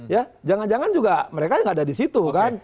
ya jangan jangan juga mereka nggak ada di situ kan